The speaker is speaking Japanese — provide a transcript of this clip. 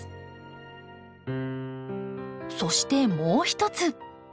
そしてもう一つ。